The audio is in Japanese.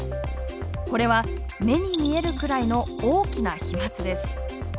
これは目に見えるくらいの大きな飛まつです。